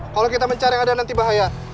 kalau kita mencari yang ada nanti bahaya